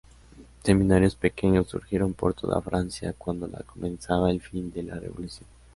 Seminarios pequeños surgieron por toda Francia cuando la comenzaba el fin de la revolución.